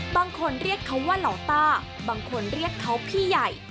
บางคนเรียกเขาว่าเหล่าต้าบางคนเรียกเขาพี่ใหญ่